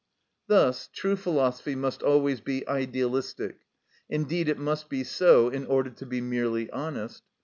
Thus true philosophy must always be idealistic; indeed, it must be so in order to be merely honest.